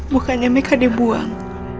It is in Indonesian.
bukannya meka dibuang